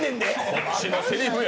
こっちのせりふや。